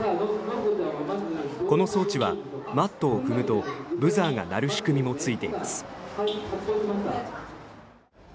この装置はマットを踏むとブザーが鳴る仕組みも付いています。